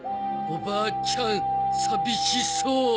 おばあちゃん寂しそう。